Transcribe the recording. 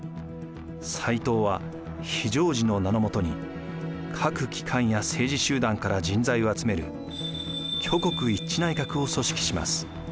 斎藤は非常時の名のもとに各機関や政治集団から人材を集める挙国一致内閣を組織します。